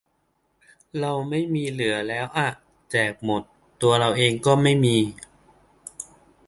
เราไม่มีเหลือแล้วอ่ะ แจกหมด ตัวเราเองก็ไม่มี